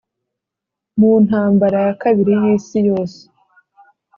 mu ntambara ya kabiri y’isi yose .